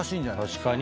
確かに。